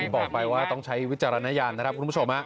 บอกไปว่าต้องใช้วิจารณญาณนะครับคุณผู้ชม